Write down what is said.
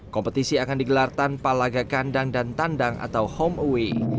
kompetisi akan digelar tanpa laga kandang dan tandang atau home away